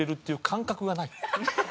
「感覚がない」？